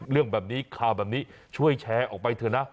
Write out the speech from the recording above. เรื่องแบบนี้ข่าวแบบนี้ช่วยแชร์ออกไปเถอะนะ